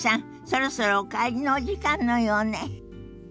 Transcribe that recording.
そろそろお帰りのお時間のようね。